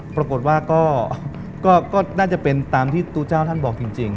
ปรากฏว่าก็น่าจะเป็นตามที่ตู้เจ้าท่านบอกจริง